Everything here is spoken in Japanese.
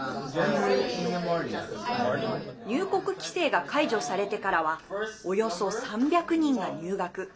入国規制が解除されてからはおよそ３００人が入学。